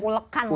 ulekan lah gitu